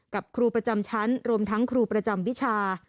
ครูประจำชั้นรวมทั้งครูประจำวิชา